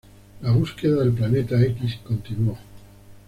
La búsqueda del Planeta X continuó.